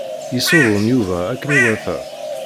Yessudun Yuba akken iwata.